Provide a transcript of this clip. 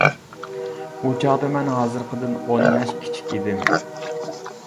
ئۇ چاغدا مەن ھازىرقىدىن ئون ياش كىچىك ئىدىم.